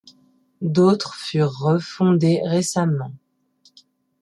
D'autres furent refondées récemment.